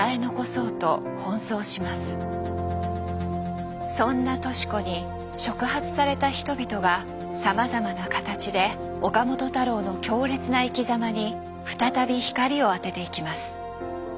そんな敏子に触発された人々がさまざまな形で岡本太郎の強烈な生きざまに再び光を当てていきます。